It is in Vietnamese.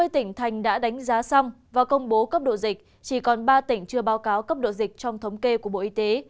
ba mươi tỉnh thành đã đánh giá xong và công bố cấp độ dịch chỉ còn ba tỉnh chưa báo cáo cấp độ dịch trong thống kê của bộ y tế